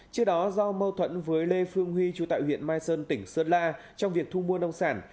trước đó do mâu thuẫn với lê phương huy chú tại huyện mai sơn tỉnh sơn la trong việc thu mua nông sản